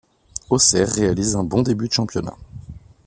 Auxerre réalise un bon début de championnat.